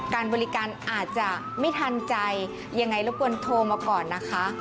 การบริการอาจจะไม่ทันใจยังไงรบกวนโทรมาก่อนนะคะ